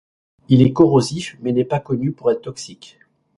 Il est corrosif, mais n'est pas connu pour être toxique.